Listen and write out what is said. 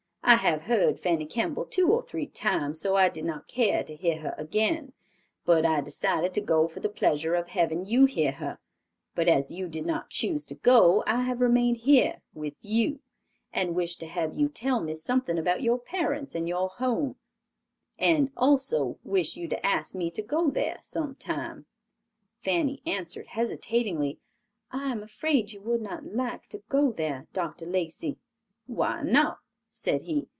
I have heard Fanny Kemble two or three times, so I did not care to hear her again; but I decided to go for the pleasure of having you hear her; but as you did not choose to go, I have remained here with you, and wish to have you tell me something about your parents and your home, and also wish you to ask me to go there some time." Fanny answered, hesitatingly, "I am afraid you would not like to go there, Dr. Lacey." "Why not?" said he.